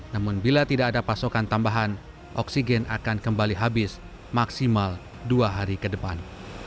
namun bila tidak ada pasokan tambahan oksigen akan kembali habis maksimal dua hari ke depan